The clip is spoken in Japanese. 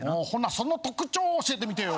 その特徴教えてみてよ。